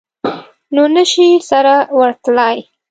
نو نه شي سره ورتلای.